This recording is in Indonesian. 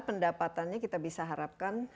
pendapatannya kita bisa harapkan